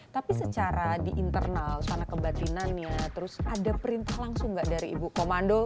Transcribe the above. tapi secara di internal sana kebatinannya terus ada perintah langsung nggak dari ibu komando